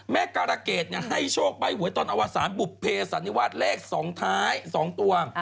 แม่การะเกดให้โชคไปหวยตอนอวสานบุภิสัณภาษณียวาดเลข๒ท้าย๒ตัว